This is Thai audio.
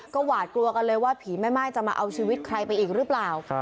ก็หวาดกลัวกันเลยว่าผีแม่ม่ายจะมาเอาชีวิตใครไปอีกหรือเปล่า